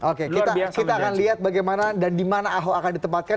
oke kita akan lihat bagaimana dan di mana ahok akan ditempatkan